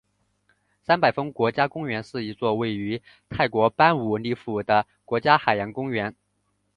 三百峰国家公园是一座位于泰国班武里府的国家海洋公园。